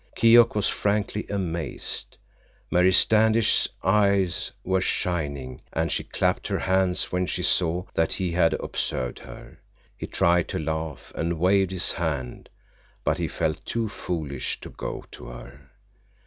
Keok was frankly amazed. Mary Standish's eyes were shining, and she clapped her hands when she saw that he had observed her. He tried to laugh, and waved his hand, but he felt too foolish to go to her.